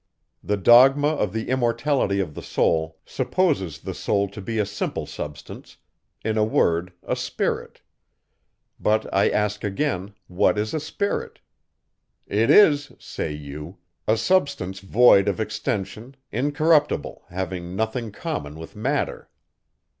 The dogma of the immortality of the soul supposes the soul to be a simple substance; in a word, a spirit. But I ask again, what is a spirit? "It is," say you, "a substance void of extension, incorruptible, having nothing common with matter."